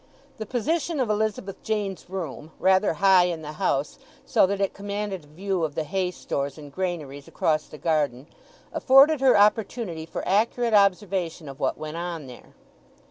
The position of Elizabeth Jane's room—rather high in the house, so that it commanded a view of the hay stores and granaries across the garden—afforded her opportunity for accurate observation of what went on there.